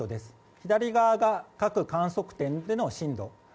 左側が各観測点での震度。